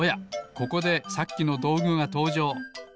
ここでさっきのどうぐがとうじょう！